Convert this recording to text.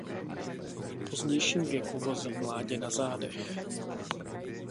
V pozdějším věku vozí mládě na zádech.